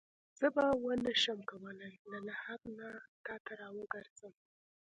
چې زه به ونه شم کولای له لحد نه تا ته راوګرځم.